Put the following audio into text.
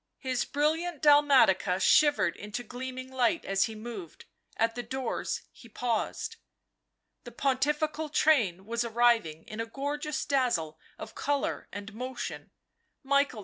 His brilliant dalmatica shivered into gleaming light as he moved. At the door he paused. The Pontifical train was arriving in a gorgeous dazzle of colour and motion. Michael II.